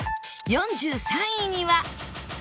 ４３位には